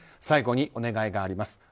最後に、お願いがあります。